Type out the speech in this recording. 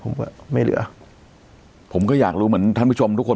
ผมก็ไม่เหลือผมก็อยากรู้เหมือนท่านผู้ชมทุกคน